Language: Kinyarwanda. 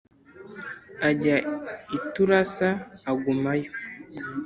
ajya i Tirusa agumayo